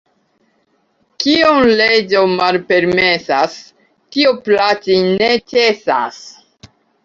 Kion leĝo malpermesas, tio plaĉi ne ĉesas.